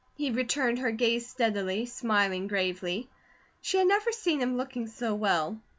He returned her gaze steadily, smiling gravely. She had never seen him looking so well.